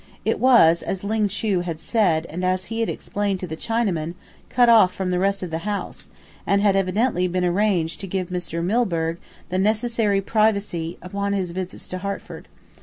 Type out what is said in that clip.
It was, as Ling Chu had said and as he had explained to the Chinaman, cut off from the rest of the house, and had evidently been arranged to give Mr. Milburgh the necessary privacy upon his visits to Hertford.